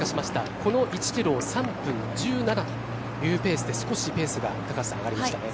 この１キロを３分１７というペースで少しペースが高橋さん、上がりましたね。